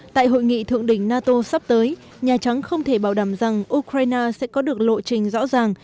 tại hội nghị thượng đỉnh nato sắp tới nhà trắng không thể bảo đảm rằng ukraine sẽ có được lộ trình rõ ràng